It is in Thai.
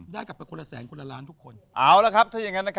ได้ไปกับคนละแสงคนละล้านทุกคน